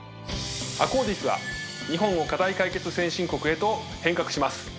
アコーディスは日本を課題解決先進国へと変革します。